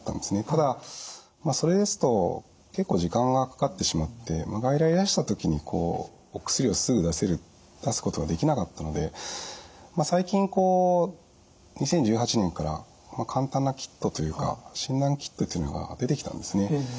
ただそれですと結構時間がかかってしまって外来いらした時にお薬をすぐ出すことができなかったので最近こう２０１８年から簡単なキットというか診断キットというのが出てきたんですね。